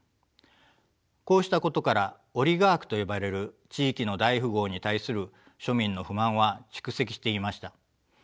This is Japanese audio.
こうしたことからオリガークと呼ばれる地域の大富豪に対する庶民の不満は蓄積していました。